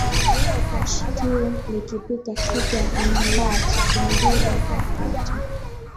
Shikio likipita kitwa n'la sungura hukatwa